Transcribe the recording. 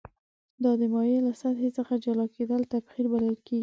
دا د مایع له سطحې څخه جلا کیدل تبخیر بلل کیږي.